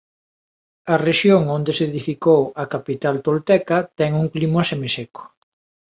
A rexión onde se edificou a capital tolteca ten un clima semiseco.